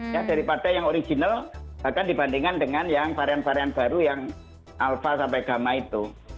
ya daripada yang original bahkan dibandingkan dengan yang varian varian baru yang alpha sampai gamma itu